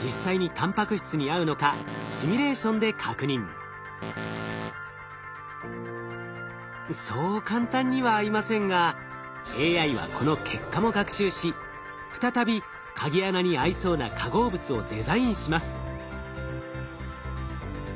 次に富岳でそう簡単には合いませんがＡＩはこの結果も学習し再び鍵穴に合いそうな化合物をデザインします。